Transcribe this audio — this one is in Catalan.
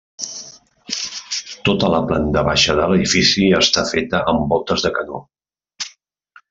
Tota la planta baixa de l'edifici està feta amb voltes de canó.